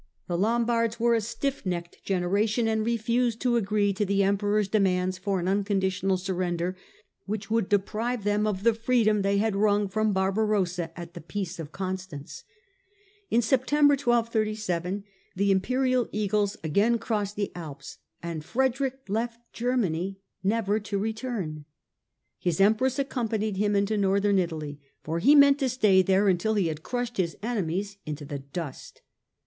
The Lombards were a stiff necked generation and refused to agree to the Emperor's demands for an unconditional surrender, which would deprive them of the freedom they had wrung from Barbarossa at the Peace of Constance. In September, 1237, the Imperial Eagles again crossed the Alps, and Frederick left Germany, never to return. His Empress accompanied him into Northern Italy, for he meant to stay there until he had crushed his enemies into the dust.